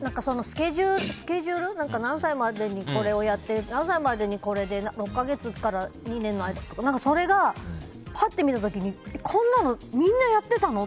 スケジュール何歳までにこれをやって何歳までにこれで６か月から２年の間とかそれがパッと見た時にこんなのみんなやってたの？